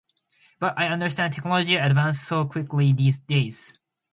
But I understand, technology advances so quickly these days.